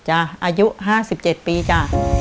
อายุห้าสิบเจ็ดปีจ้ะ